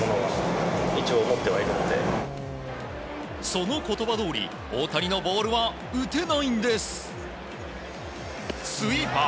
その言葉どおり大谷のボールは打てないんです！